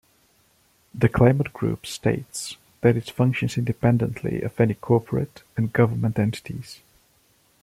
The Climate Group states that it functions independently of any corporate and government entities.